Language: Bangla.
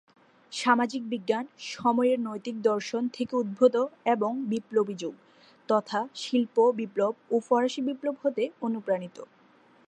সামাজিক বিজ্ঞান সময়ের নৈতিক দর্শন থেকে উদ্ভূত এবং বিপ্লবী যুগ, তথা শিল্প বিপ্লব ও ফরাসি বিপ্লব হতে অনুপ্রাণিত।